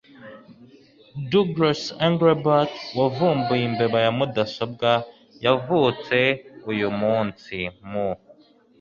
Douglas Engelbart wavumbuye imbeba ya mudasobwa yavutse kuri uyu munsi mu